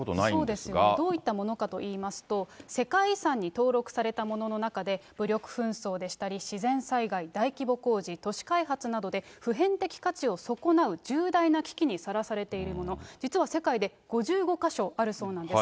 そうですよね、どういったものかといいますと、世界遺産に登録されたものの中で、武力紛争でしたり、自然災害、大規模工事、都市開発などで、普遍的価値を損なう重大な危機にさらされているもの、実は世界で５５か所あるそうなんです。